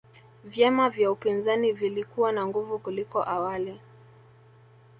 vyama vya upinzani vilikuwa na nguvu kuliko awali